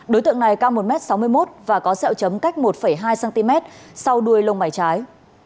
đối tượng này cao một m sáu mươi một và có sẹo chấm cách một hai cm sau đuôi lông mảy trái